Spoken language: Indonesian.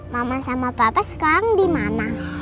mama sama pelate sekarang di mana